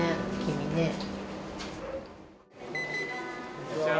こんにちは。